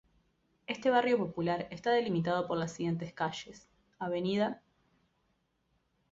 Este barrio popular está delimitado por las siguientes calles: Av.